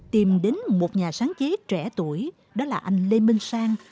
tìm đến một nhà sáng chế trẻ tuổi đó là anh lê minh sang